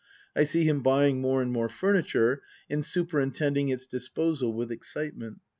I see him buying more and more furniture and superin tending its disposal with excitement.